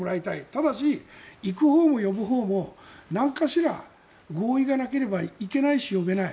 ただし、行くほうも呼ぶほうも何かしら合意がなければ行けないし呼べない。